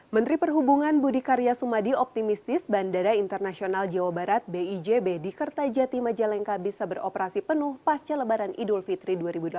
menteri perhubungan budi karya sumadi optimistis bandara internasional jawa barat bijb di kertajati majalengka bisa beroperasi penuh pasca lebaran idul fitri dua ribu delapan belas